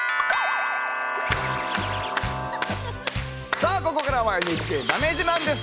さあここからは「ＮＨＫだめ自慢」です。